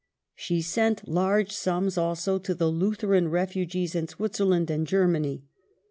She sent large sums also to the Lutheran refugees in Switzer land and Germany.